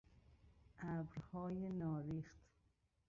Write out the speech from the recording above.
ابرهای ناریخت